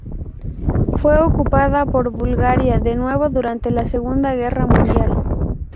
Fue ocupada por Bulgaria de nuevo durante la Segunda Guerra Mundial.